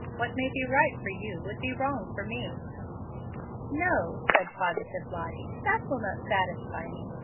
What may be right for you would be wrong for me." "No," said positive Lottie, "that will not satisfy me.